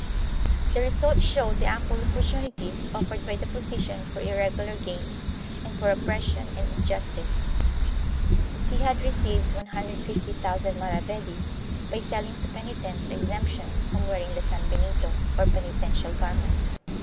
The result showed the ample opportunities offered by the position for irregular gains and for oppression and injustice. He had received 150,000 maravedis by selling to penitents exemptions from wearing the sanbenito, or penitential garment.